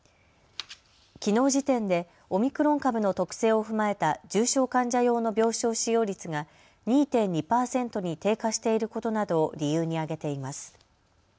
きのう時点でオミクロン株の特性を踏まえた重症患者用の病床使用率が２．２％に低下していることなどを理由に挙げています。